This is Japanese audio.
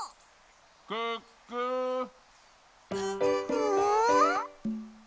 ・うん？